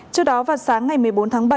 trước đó vào sáng ngày một mươi bốn tháng bảy